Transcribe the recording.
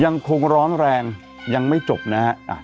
ร้อนแรงยังไม่จบนะฮะ